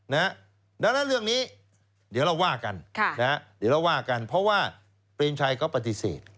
แล้วเรื่องนี้เดี๋ยวเราว่ากันเพราะว่าเปรนชัยก็ปฏิเสธ